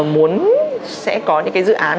muốn sẽ có những cái dự án